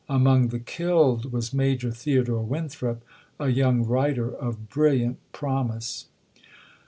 Among the killed was Major Theodore Winthrop, a young wi'iter of brilliant promise.